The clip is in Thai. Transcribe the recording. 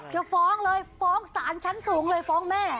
จะฟ้องเลยฟ้องศาลชั้นสูงเลยฟ้องแม่